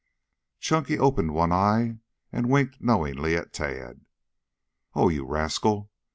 Chunky opened one eye and winked knowingly at Tad. "Oh, you rascal!